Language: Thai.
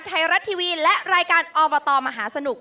ไทยรัฐทีวีและรายการอบตมหาสนุก